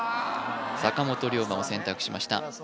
坂本龍馬を選択しました